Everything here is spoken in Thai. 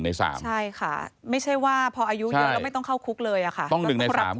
ใช่ค่ะไม่ใช่ว่าพออายุเยอะแล้วไม่ต้องเข้าคุกเลยอะค่ะ